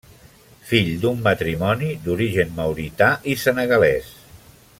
Fill d'un matrimoni d'origen maurità i senegalès.